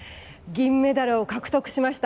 銀メダルを獲得しました